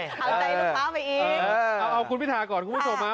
เอาใจลูกค้าไปอีกเอาคุณพิธาก่อนคุณผู้ชมฮะ